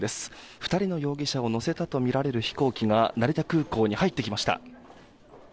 ２人の容疑者を乗せたとみられる飛行機が成田空港に入ってきました。